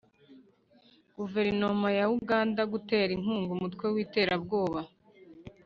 guverinoma ya uganda gutera inkunga umutwe w’iterabwoba